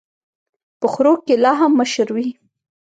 په خرو کي لا هم مشر وي.